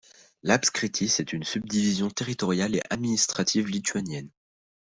L'apskritis est une subdivision territoriale et administrative lituanienne.